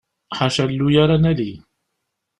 Ḥaca alluy ara nali.